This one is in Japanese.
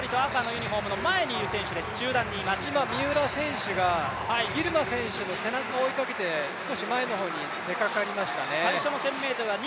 今、三浦選手がギルマ選手の背中を追いかけて、少し前の方に出かかりましたね。